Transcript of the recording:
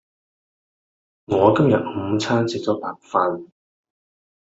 我今日午餐食咗白飯